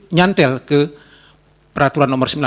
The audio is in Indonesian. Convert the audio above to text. nyantel ke peraturan no sembilan belas